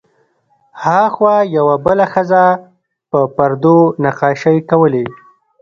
هاخوا یوه بله ښځه پر پردو نقاشۍ کولې.